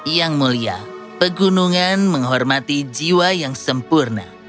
yang mulia pegunungan menghormati jiwa yang sempurna